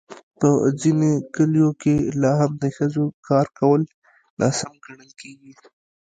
په ځینو کلیو کې لا هم د ښځو کار کول ناسم ګڼل کېږي.